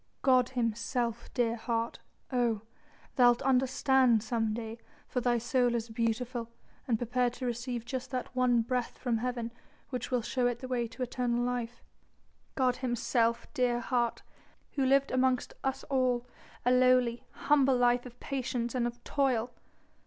God himself, dear heart! oh! thou'lt understand some day for thy soul is beautiful and prepared to receive just that one breath from Heaven which will show it the way to eternal life God Himself, dear heart, who lived amongst us all a lowly, humble life of patience and of toil!